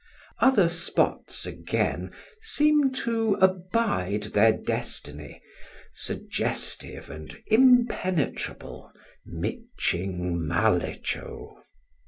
Other spots again seem to abide their destiny, suggestive and impenetrable, "miching mallecho."